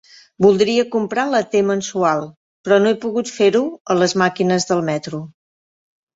Voldria comprar la T-mensual, però no he pogut fer-ho a les màquines del metro.